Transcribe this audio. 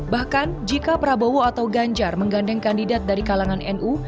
bahkan jika prabowo atau ganjar menggandeng kandidat dari kalangan nu